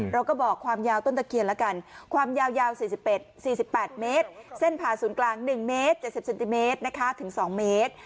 เราก็บอกความยาวต้นตะเคียนแล้วกันความยาว๔๘เมตรเส้นผ่าศูนย์กลาง๑เมตร๗๐เซนติเมตรนะคะถึง๒เมตร